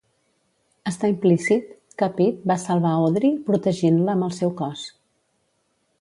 Està implícit que Pete va salvar Audrey protegint-la amb el seu cos.